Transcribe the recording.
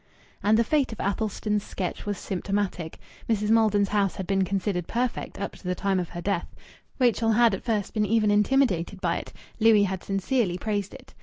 And the fate of Athelstan's sketch was symptomatic. Mrs. Maiden's house had been considered perfect, up to the time of her death. Rachel had at first been even intimidated by it; Louis had sincerely praised it.